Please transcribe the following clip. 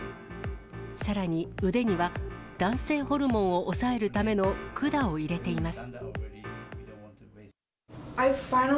さらに、腕には男性ホルモンを抑えるための管を入れています。